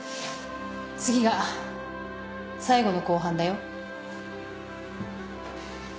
次が最後の公判だよ。